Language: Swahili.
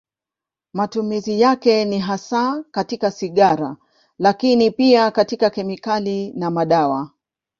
Matumizi yake ni hasa katika sigara, lakini pia katika kemikali na madawa.